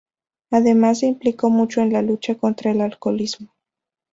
Además se implicó mucho en la lucha contra el alcoholismo.